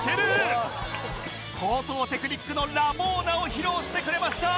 高等テクニックのラボーナを披露してくれました